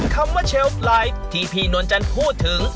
คำว่าเชลไลท์ที่พี่นวลจันทร์พูดถึง